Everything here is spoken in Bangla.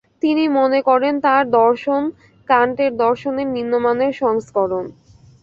তিনি মনে করেন তার দর্শন কান্টের দর্শনের নিম্নমানের সংস্করণ।